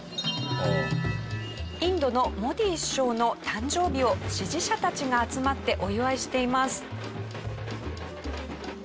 インドのモディ首相の誕生日を支持者たちが集まってお祝いしています。